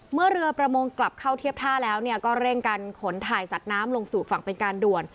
เมื่อเรือประมงกลับเข้าเทียบท่าแล้วก็เร่งกันขนถ่ายสัตว์น้ำลงสู่ฝั่งเป็นการด่วน